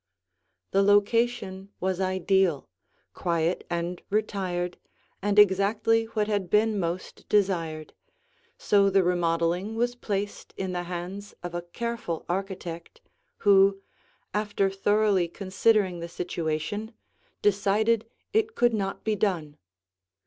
The location was ideal, quiet and retired and exactly what had been most desired, so the remodeling was placed in the hands of a careful architect, who, after thoroughly considering the situation, decided it could not be done.